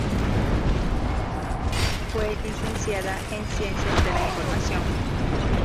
Fue licenciada en Ciencias de la Información.